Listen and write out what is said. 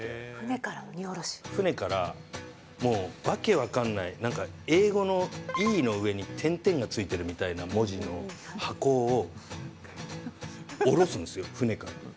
船から、もう訳分かんない、なんか英語のＥの上に点々がついてるみたいな文字の箱を、降ろすんですよ、船から。